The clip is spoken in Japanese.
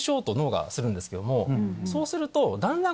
そうすると。